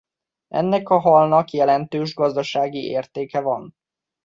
Ennek a halnak jelentős gazdasági értéke van.